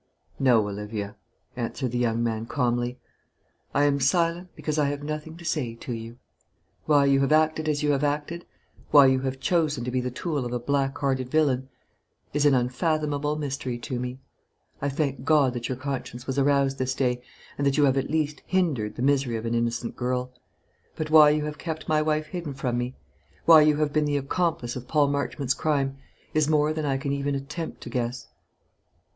"No, Olivia," answered the young man, calmly. "I am silent, because I have nothing to say to you. Why you have acted as you have acted, why you have chosen to be the tool of a black hearted villain, is an unfathomable mystery to me. I thank God that your conscience was aroused this day, and that you have at least hindered the misery of an innocent girl. But why you have kept my wife hidden from me, why you have been the accomplice of Paul Marchmont's crime, is more than I can even attempt to guess."